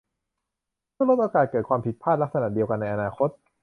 เพื่อลดโอกาสเกิดความผิดพลาดลักษณะเดียวกันในอนาคต